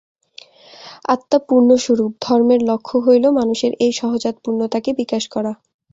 আত্মা পূর্ণস্বরূপ, ধর্মের লক্ষ্য হইল মানুষের এই সহজাত পূর্ণতাকে বিকাশ করা।